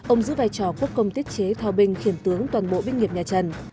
ông giữ vai trò quốc công tiết chế thao binh khiển tướng toàn bộ binh nghiệp nhà trần